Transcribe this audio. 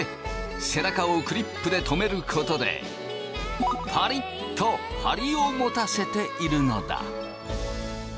背中をクリップで留めることでパリッと張りを持たせているのだ。